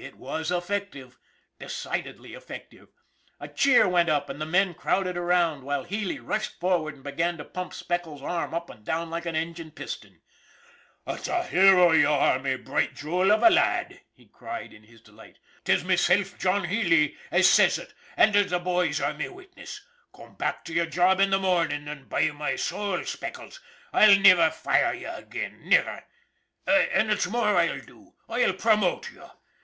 It was effective decidedly effective! A cheer went up, and the men crowded around, while Healy rushed forward and began to pump Speckles' arm up and down like an engine piston. "Ut's a hero you are, me bright jool av a lad! " he cried in his delight. " 'Tis mesilf, John Healy, that ses ut, an* the bhoys are me witness. Come back to yer job in the mornin' an', by my sowl, Speckles, I'll niver fire you ag'in, niver ! An' ut's more I'll do I'll promote you.